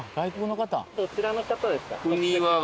どちらの方ですか？